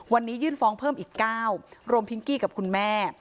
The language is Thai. วันนี้ยื่นฟ้องเพิ่มอีก๙รวมพิงกี้กับคุณแม่